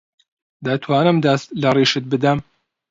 دەتوانم دەست لە ڕیشت بدەم؟